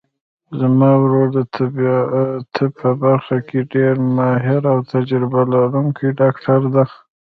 زما ورور د طب په برخه کې ډېر ماهر او تجربه لرونکی ډاکټر ده